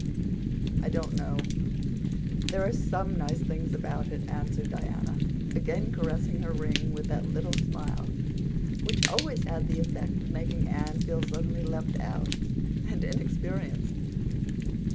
"I don't know—there are some nice things about it," answered Diana, again caressing her ring with that little smile which always had the effect of making Anne feel suddenly left out and inexperienced.